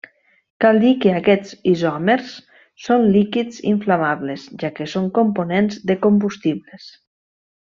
Cal dir que aquests isòmers són líquids inflamables, ja que són components de combustibles.